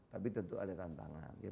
tapi tentu ada tantangan